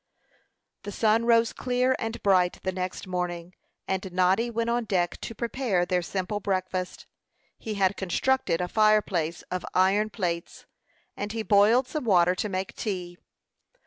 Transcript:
The sun rose clear and bright the next morning, and Noddy went on deck to prepare their simple breakfast. He had constructed a fireplace of iron plates, and he boiled some water to make tea.